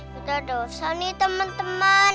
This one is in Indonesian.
kita dosa nih temen temen